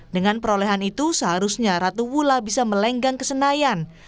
dengan perolehan itu seharusnya ratu wulla bisa melenggang ke senayan